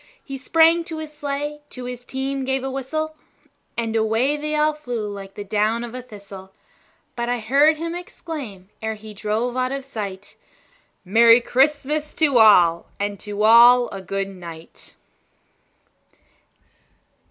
He sprang to his sleigh, to his team gave a whistle, And away they all flew like the down of a thistle; But I heard him exclaim, ere he drove out of sight, "Merry Christmas to all, and to all a good night!"